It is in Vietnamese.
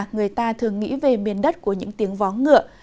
người ta thường nghĩ về miền đất của những tiếng vó ngựa